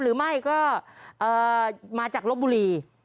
หรือไม่ก็มาจากลบบุรี